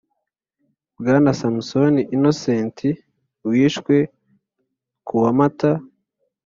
Bwana Samusoni Innocent wishwe kuwa Mata